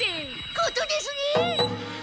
ことですね！